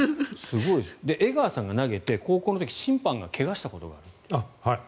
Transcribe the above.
江川さんが投げて高校の時に審判が怪我をしたことがある。